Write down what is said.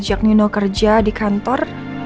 sejak nino kerja di kantor